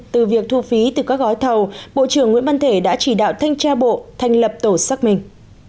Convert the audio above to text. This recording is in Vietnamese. từ việc thu phí từ các gói thầu bộ trưởng nguyễn văn thể đã chỉ đạo thanh tra bộ thành lập tổ xác minh